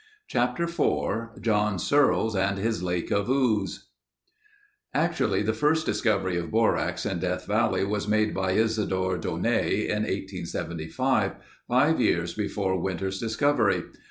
Chapter IV John Searles and His Lake of Ooze Actually the first discovery of borax in Death Valley was made by Isadore Daunet in 1875, five years before Winters' discovery.